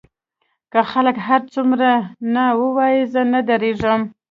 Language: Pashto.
که خلک هر څومره نه ووايي زه نه درېږم.